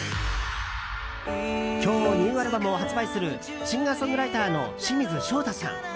今日、ニューアルバムを発売するシンガーソングライターの清水翔太さん。